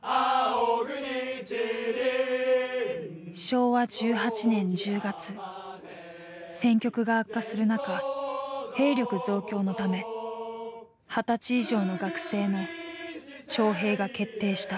昭和１８年１０月戦局が悪化する中兵力増強のため二十歳以上の学生の徴兵が決定した。